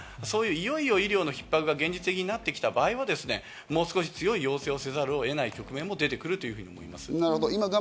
そういう医療逼迫が現実的になってきた場合はもう少し強い要請をせざるを得ないという場面も出てくると思います。